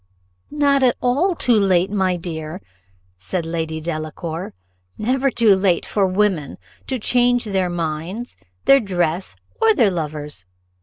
"Not at all too late, my dear," said Lady Delacour; "never too late for women to change their minds, their dress, or their lovers.